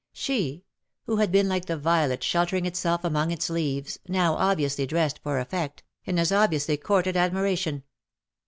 She, who had been like the violet sheltering itself among its leaves, now obviously dressed for effect, and as obviously courted admiration.